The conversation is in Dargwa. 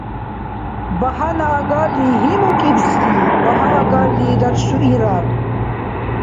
Багьана агарли гьимукӀибси багьа агарли даршуирар.